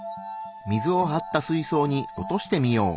水を張った水そうに落としてみよう。